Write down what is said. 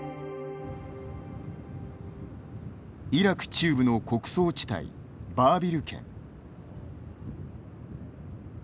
イラク中部の穀倉地帯バービル県。